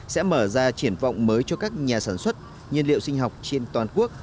sẽ mở ra triển vọng mới cho các nhà sản xuất nhiên liệu sinh học trên toàn quốc